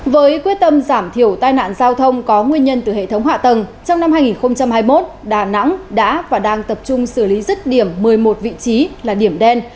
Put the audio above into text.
với quyết tâm giảm thiểu tai nạn giao thông có nguyên nhân từ hệ thống hạ tầng trong năm hai nghìn hai mươi một đà nẵng đã và đang tập trung xử lý rứt điểm một mươi một vị trí là điểm đen